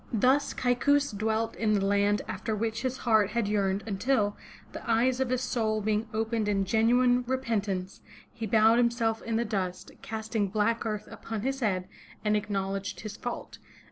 Thus Kaikous dwelt in the land after which his heart had yearned until, the eyes of his soul being opened in genuine repen tance, he bowed himself in the dust, casting black earth upon his head, and acknowledged his fault.